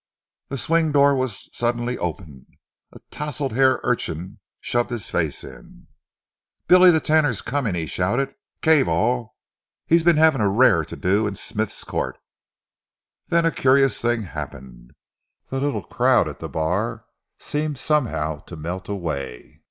The swing door was suddenly opened. A touslehaired urchin shoved his face in. "Billy the Tanner's coming!" he shouted. "Cave, all! He's been 'avin' a rare to do in Smith's Court." Then a curious thing happened. The little crowd at the bar seemed somehow to melt away.